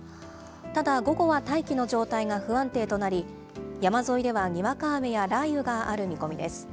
ただ、午後は大気の状態が不安定となり、山沿いではにわか雨や雷雨がある見込みです。